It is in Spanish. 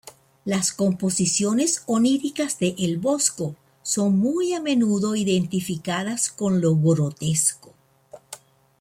Las composiciones oníricas de El Bosco son muy a menudo identificadas con lo grotesco.